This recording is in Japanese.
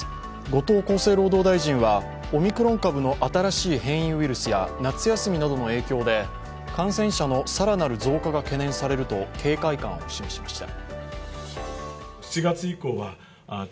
後藤厚生労働大臣はオミクロン株の新しい変異ウイルスや夏休みなどの影響で感染者の更なる増加が懸念されると警戒感を示しました。